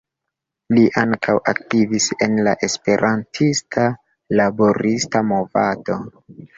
Li ankaŭ aktivis en la esperantista laborista movado.